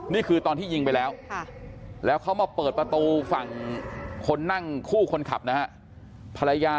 นี่คือตอนที่ยิงไปแล้วแล้วเขามาเปิดประตูฝั่งคนนั่งคู่คนขับนะฮะภรรยา